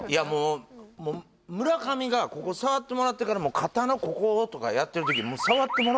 もうもう村上がここ触ってもらってからもう「肩のここ」とかやってるとき